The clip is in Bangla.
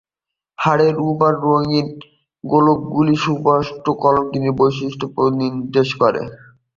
হাড়ের উপর রঙিন গোলকগুলি সুস্পষ্ট কঙ্কালীয় বৈশিষ্ট্য নির্দেশ করে।